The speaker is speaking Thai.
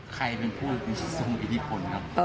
ใครเป็นผู้มีทรงอิทธิพลครับ